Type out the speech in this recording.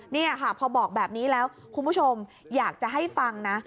นี่ค่ะพอบอกแบบนี้แล้วคุณผู้ชมอยากจะให้ฟังนะ